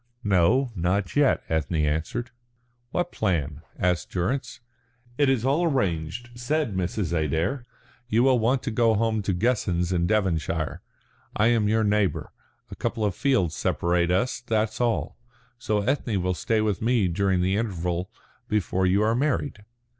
"No, not yet," Ethne answered. "What plan?" asked Durrance. "It is all arranged," said Mrs. Adair. "You will want to go home to Guessens in Devonshire. I am your neighbour a couple of fields separate us, that's all. So Ethne will stay with me during the interval before you are married."